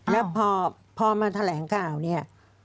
แล้วพอมาแถลงข่าวเนี่ย